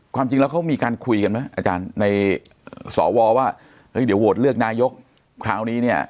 ความจริงแล้วเขามีการคุยกันไหมอาจารย์ในสวว่าเฮ้ยเดี๋ยวโหวตเลือกนายกคราวนี้เนี่ย